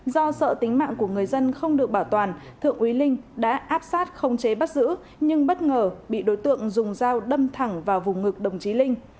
do sợ tính mạng của người dân không được bảo toàn thượng úy linh đã áp sát không chế bắt giữ nhưng bất ngờ bị đối tượng dùng dao đâm thẳng vào vùng ngực đồng chí linh